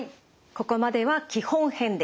ここまでは基本編でした。